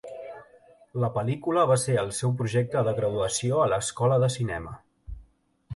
La pel·lícula va ser el seu projecte de graduació a l'escola de cinema.